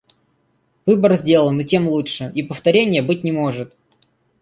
Выбор сделан, и тем лучше... И повторенья быть не может.